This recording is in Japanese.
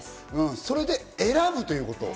それで選ぶということ。